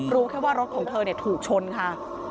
รู้แค่ว่ารถของเธอถูกชนค่ะ